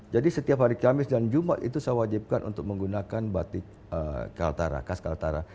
jadi setiap hari kamis dan jumat itu saya wajibkan untuk menggunakan batik kals kaltara